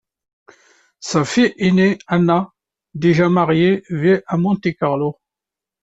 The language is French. Sa fille ainée, Anna, déjà mariée vit à Monte-Carlo.